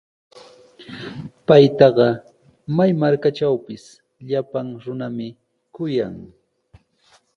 Paytaqa may markatrawpis llapan runami kuyan.